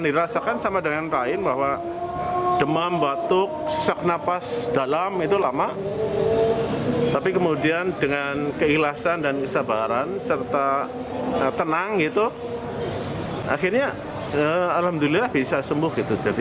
dirasakan sama dengan lain bahwa demam batuk sesak nafas dalam itu lama tapi kemudian dengan keilasan dan sabaran serta tenang akhirnya alhamdulillah bisa sembuh